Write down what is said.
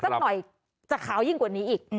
สักหน่อยจะขาวยิ่งกว่านี้อีก